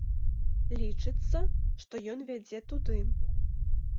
Лічыцца, што ён вядзе туды.